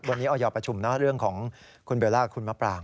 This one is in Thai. วันนี้ออยประชุมนะเรื่องของคุณเบลล่าคุณมะปราง